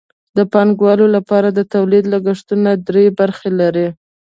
د پانګوالو لپاره د تولید لګښتونه درې برخې لري